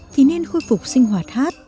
thì nên khôi phục sinh hoạt hát